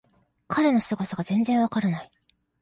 彼のすごさが全然わからない